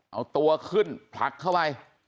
เอาตัวขึ้นผลักเข้าไป